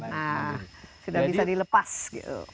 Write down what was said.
nah sudah bisa dilepas gitu